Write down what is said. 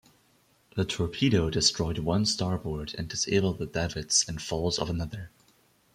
The torpedo destroyed one starboard and disabled the davits and falls of another.